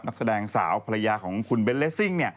นักแสดงสาวภรรยาของคุณเบนเลสซิ่ง